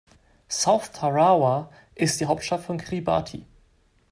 South Tarawa ist die Hauptstadt von Kiribati.